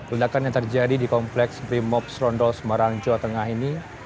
ledakan yang terjadi di kompleks brimob serondol semarang jawa tengah ini